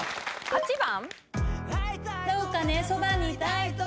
８番。